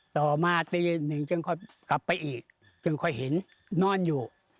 ต่อมาตีหนึ่งจึงค่อยกลับไปอีกจึงค่อยเห็นนอนอยู่